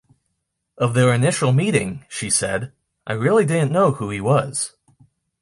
Of their initial meeting, she said, I didn't really know who he was.